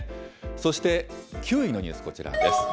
そして９位のニュース、こちらです。